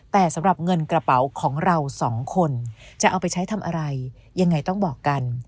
แต่สำหรับเงินกระเป๋าของเราสองคนจะเอาไปใช้ทำอะไรยังไงต้องบอกกัน